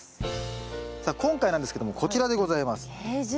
さあ今回なんですけどもこちらでございます。